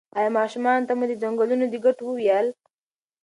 ایا ماشومانو ته مو د ځنګلونو د ګټو وویل؟